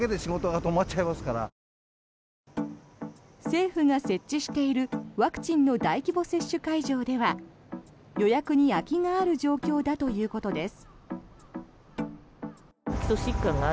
政府が設置しているワクチンの大規模接種会場では予約に空きがある状況だということです。